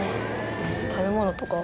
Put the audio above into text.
食べ物とか？